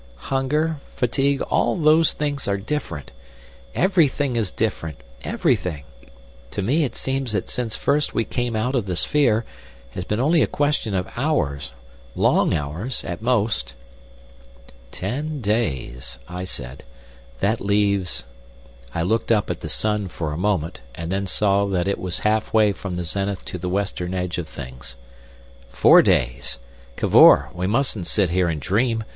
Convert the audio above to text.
"Hunger—fatigue—all those things are different. Everything is different—everything. To me it seems that since first we came out of the sphere has been only a question of hours—long hours—at most." "Ten days," I said; "that leaves—" I looked up at the sun for a moment, and then saw that it was halfway from the zenith to the western edge of things. "Four days! ... Cavor, we mustn't sit here and dream.